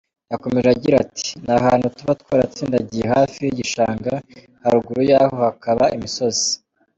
Yakomeje agira ati “Ni ahantu tuba twaratsindagiye hafi y’igishanga, haruguru yaho hakaba imisozi.